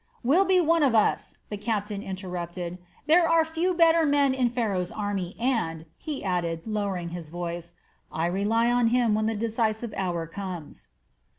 "Will be one of us," the captain interrupted. "There are few better men in Pharaoh's army, and," he added, lowering his voice, "I rely on him when the decisive hour comes."